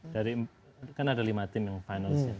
dari kan ada lima tim yang final